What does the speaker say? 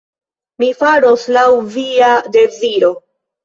Mi faros laŭ via deziro.